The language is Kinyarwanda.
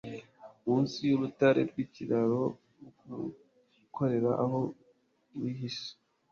munsi y'urutare rw'ikiraro rugukorera aho wihishe